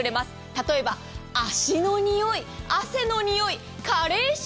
例えば、足のにおい汗のにおい、加齢臭。